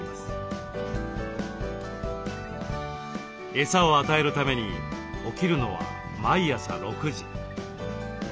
エサを与えるために起きるのは毎朝６時。